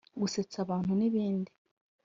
gusetsa abantu n’ibindi